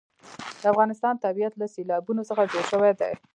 د افغانستان طبیعت له سیلابونه څخه جوړ شوی دی.